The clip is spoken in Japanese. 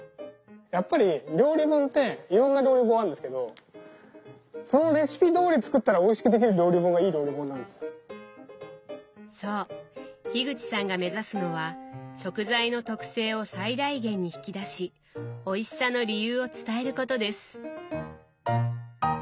やっぱり料理本っていろんな料理本あるんですけどそう口さんが目指すのは食材の特性を最大限に引き出しおいしさの理由を伝えることです。